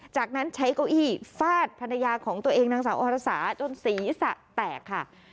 จากนั้นใช้เก้าอี้ฟาดภรรยาของตัวเองนางสาวอรสาจนศีรษะแตกค่ะ